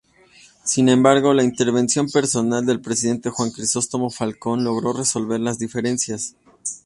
Sin embargo, la intervención personal del presidente Juan Crisóstomo Falcón logró resolver las diferencias.